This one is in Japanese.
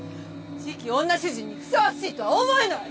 次期女主人にふさわしいとは思えない！